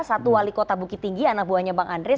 satu wali kota bukit tinggi anak buahnya bang andreas